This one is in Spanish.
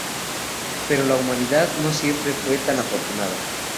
Pero la humanidad no siempre fue tan afortunada.